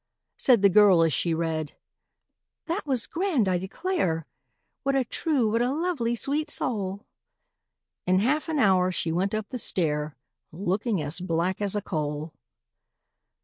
Said the girl as she read, "That was grand, I declare! What a true, what a lovely, sweet soul!" In half an hour she went up the stair, Looking as black as a coal!